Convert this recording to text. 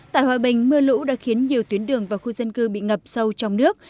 tại hòa bình mưa lũ đã khiến nhiều tuyến đường và khu dân cư bị ngập sâu trong nước